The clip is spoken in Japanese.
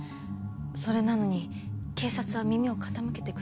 それなのに警察は耳を傾けてくれなかった？